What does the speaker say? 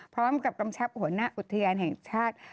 พร้อมกับกำชับหัวหน้าอุทยานแห่งชาติ